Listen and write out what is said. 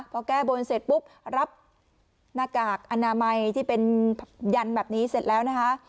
พอแก้บนเสร็จปุ๊บรับหน้ากากอนามัยที่เป็นยันแบบนี้เสร็จแล้วนะคะ